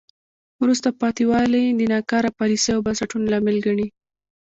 وروسته پاتې والی د ناکاره پالیسیو او بنسټونو لامل ګڼي.